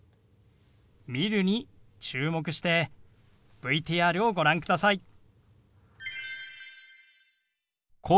「見る」に注目してＶＴＲをご覧ください。